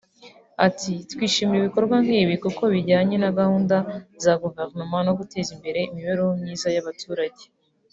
Ati “Twishimira ibikorwa nk’ibi kuko bijyanye na gahunda za Guverinoma zo guteza imbere imibereho myiza y’abaturage